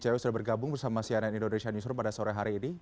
ya semoga ini bisa kemudian mendapatkan penjelasan dari kpk tersebut